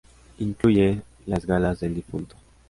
Incluye "Las galas del difunto".